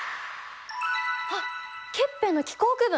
あっケッペンの気候区分。